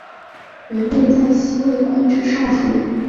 元烈在西魏官至尚书。